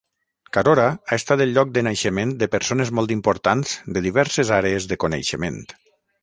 Carora ha estat el lloc de naixement de persones molt importants de diverses àrees de coneixement.